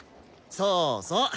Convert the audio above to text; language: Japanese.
そうそう！